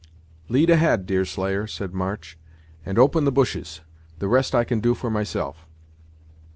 "Lead ahead, Deerslayer," said March, "and open the bushes; the rest I can do for myself."